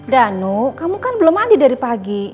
danu kamu kan belum mandi dari pagi